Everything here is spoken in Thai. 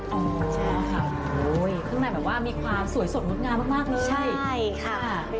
ค่ะโอ้โหข้างในแบบว่ามีความสวยสดมดงามมากเลยใช่ค่ะ